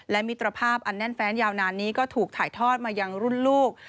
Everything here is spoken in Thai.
และมิตรภาพอันแน่นแฟนยาวนานนี้ก็ถูกถ่ายทอดมายังรุ่นลูก